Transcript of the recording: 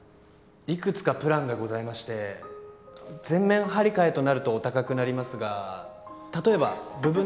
いくつかプランがございまして全面張り替えとなるとお高くなりますが例えば部分。